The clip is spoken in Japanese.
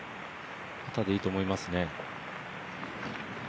パターでいいと思いますね。